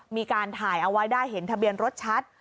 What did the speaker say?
มีการถ่ายเอาไว้ได้เห็นทะเบียนรถชัด